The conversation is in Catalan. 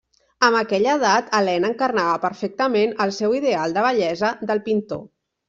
Amb aquella edat, Helena encarnava perfectament el seu ideal de bellesa del pintor.